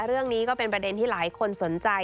เรื่องนี้ก็เป็นประเด็นที่หลายคนสนใจ